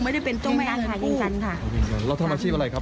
ไม่ได้เป็นเจ้าแม่เงินกู้ยังยันค่ะยังยันค่ะเราทำอาชีพอะไรครับ